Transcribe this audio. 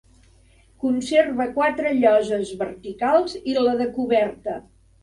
Conserva quatre lloses verticals i la de coberta.